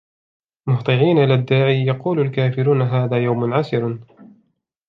مُهْطِعِينَ إِلَى الدَّاعِ يَقُولُ الْكَافِرُونَ هَذَا يَوْمٌ عَسِرٌ